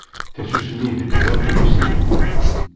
Tasusmi d ddwa n tmussni